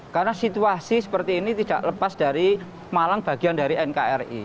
karena situasi seperti ini tidak lepas dari malang bagian dari nkri